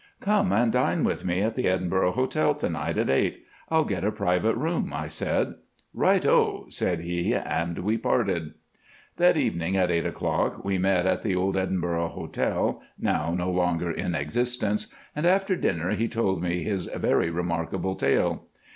"Come and dine with me at the Edinburgh Hotel to night at eight. I'll get a private room," I said. "Right oh!" said he, and we parted. That evening at eight o'clock we met at the old Edinburgh Hotel (now no longer in existence), and after dinner he told me his very remarkable tale.